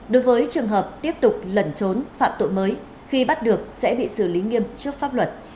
đối với trường hợp tiếp tục lẩn trốn phạm tội mới khi bắt được sẽ bị xử lý nghiêm trước pháp luật